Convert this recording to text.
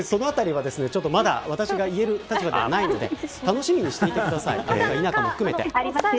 そのあたりは、まだ私が言える立場ではないんで楽しみにしていてください。